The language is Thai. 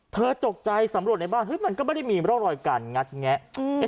ตกใจสำรวจในบ้านมันก็ไม่ได้มีร่องรอยการงัดแงะ